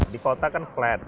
di kota kan flat